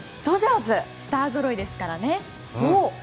スターぞろいですからね。